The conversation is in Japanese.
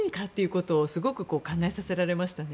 ことをすごく考えさせられましたね。